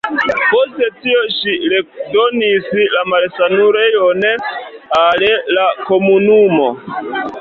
Post tio ŝi redonis la malsanulejon al la komunumo.